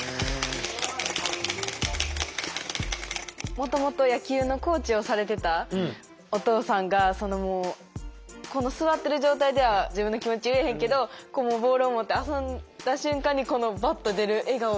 もともと野球のコーチをされてたおとうさんがこの座ってる状態では自分の気持ち言えへんけどボールを持って遊んだ瞬間にこのバッと出る笑顔が。